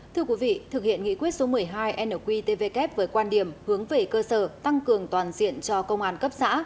thưa quý vị thực hiện nghị quyết số một mươi hai nqtvk với quan điểm hướng về cơ sở tăng cường toàn diện cho công an cấp xã